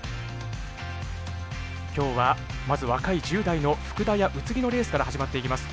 きょうは、まず若い１０代の福田や宇津木のレースから始まっていきます。